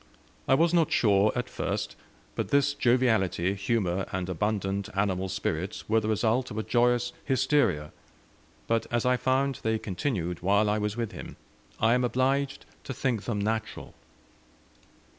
I was not sure, at first, but this joviality, humour, and abundant animal spirits were the result of a joyous hysteria; but as I found they continued while I was with him, I am obliged to think them natural.